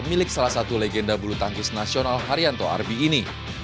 milik salah satu legenda bulu tangkis nasional haryanto arbi ini